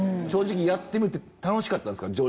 正直やってみて、楽しかったですか？